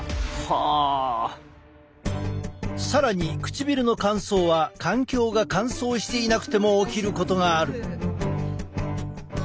更に唇の乾燥は環境が乾燥していなくても起きることがある。